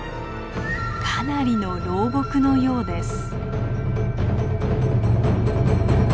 かなりの老木のようです。